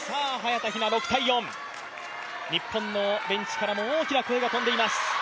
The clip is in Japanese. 日本のベンチからも大きな声が飛んでいます。